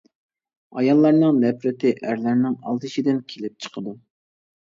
ئاياللارنىڭ نەپرىتى ئەرلەرنىڭ ئالدىشىدىن كېلىپ چىقىدۇ.